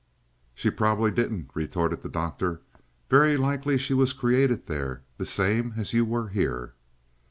"She probably didn't," retorted the Doctor. "Very likely she was created there, the same as you were here."